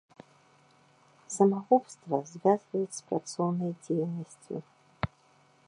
Самагубства звязваюць з працоўнай дзейнасцю.